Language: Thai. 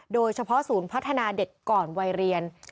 โดยเฉพาะศูนย์พัฒนาเด็กก่อนวัยเรียน